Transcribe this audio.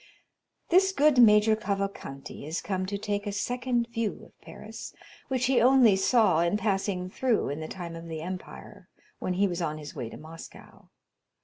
This good Major Cavalcanti is come to take a second view of Paris, which he only saw in passing through in the time of the Empire, when he was on his way to Moscow.